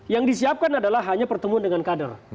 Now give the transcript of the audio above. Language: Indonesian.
yang disiapkan adalah hanya pertemuan dengan kader